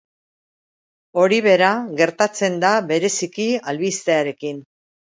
Hori bera gertatzen da bereziki albistearekin.